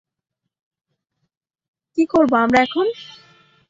কি করবো আমরা এখন?